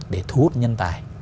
để thu hút nhân tài